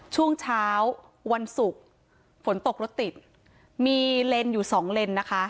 ช่วงเช้าวันศุกร์ฝนตกรถติดมีเลนอยู่สองเลนนะคะ